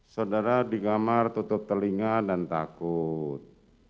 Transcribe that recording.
saudara di kamar tutup telinga dan takut